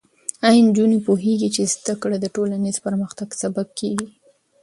ایا نجونې پوهېږي چې زده کړه د ټولنیز پرمختګ سبب کېږي؟